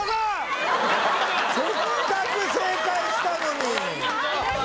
せっかく正解したのに。